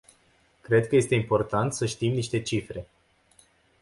Cred că este important să știm niște cifre.